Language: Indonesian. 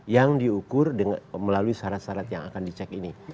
yang diukur melalui syarat syarat yang akan dicek ini